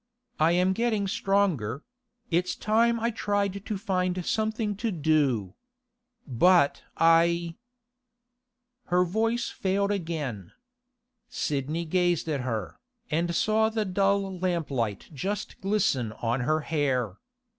I am getting stronger; it's time I tried to find something to do. But I—' Her voice failed again. Sidney gazed at her, and saw the dull lamplight just glisten on her hair.